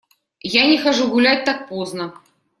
Я не хожу гулять так поздно.